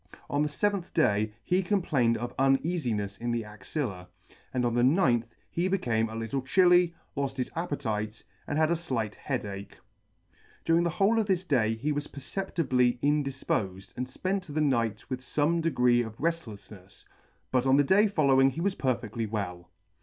On the feventh day he complained of uneattnefs in the axilla, and on the ninth he became a little chilly, loft his appetite, and had a flight head ach. During the whole of this day he was perceptibly indifpofed, and fpent the night with fome degree of reftleflhefs , but on the day following he was perfectly well.